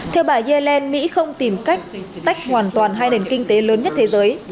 theo bà yellen mỹ không tìm cách tách hoàn toàn hai nền kinh tế lớn nhất thế giới